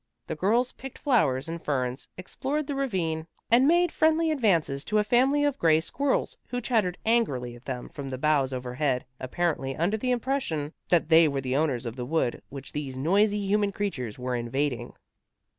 The girls picked flowers and ferns, explored the ravine and made friendly advances to a family of gray squirrels who chattered angrily at them from the boughs overhead, apparently under the impression that they were the owners of the wood which these noisy human creatures were invading.